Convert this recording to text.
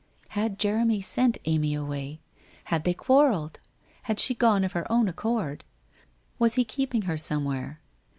Had Jeremy sent Amy away? Had they quarrelled? Had she gone of her own accord? Was he keeping her somewhere?